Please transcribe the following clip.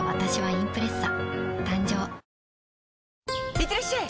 いってらっしゃい！